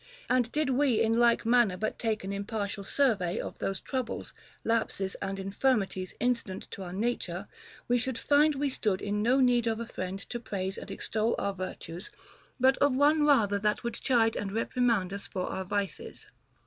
And did we in like manner but take an impartial survey of those troubles, lapses, and infirmities incident to our nature, we should find we stood in no need of a friend to praise and extol our virtues, but of one rather that would chide and repri mand us for our vices.